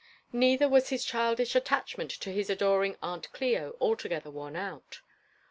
Neither was his childish altachaaeal to hia adoring Aunt Clio alt<^ether worn out.